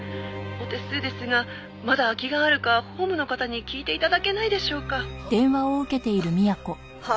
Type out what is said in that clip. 「お手数ですがまだ空きがあるかホームの方に聞いて頂けないでしょうか」はあ。